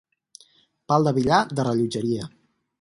Pal de billar de rellotgeria.